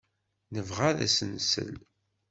Nebɣa ad as-nsel.